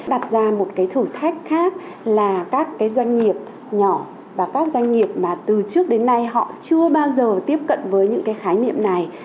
đặt ra một thử thách khác là các doanh nghiệp nhỏ và các doanh nghiệp từ trước đến nay họ chưa bao giờ tiếp cận với những khái niệm này